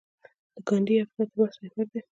د ګاندي افکار د بحث محور دي.